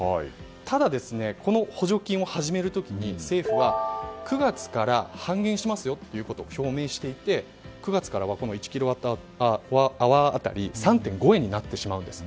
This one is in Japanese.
ただ、この補助金を始める時に政府は９月から半減しますと表明していて９月からは１キロワットアワー当たり３．５円になってしまうんです。